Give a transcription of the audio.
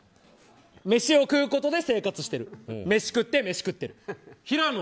飯を食うことで生活してる飯食って飯食ってる。